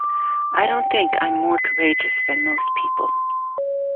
I don’t think I’m more courageous than most people.